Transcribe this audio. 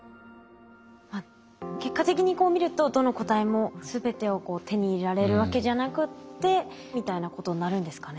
結果的にこう見るとどの個体も全てをこう手に入れられるわけじゃなくってみたいなことになるんですかね。